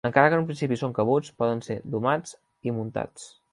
Encara que en un principi són cabuts, poden ser domats i muntats.